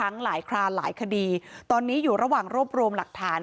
หลายครานหลายคดีตอนนี้อยู่ระหว่างรวบรวมหลักฐาน